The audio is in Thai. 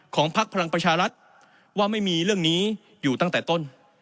พักพลังประชารัฐว่าไม่มีเรื่องนี้อยู่ตั้งแต่ต้น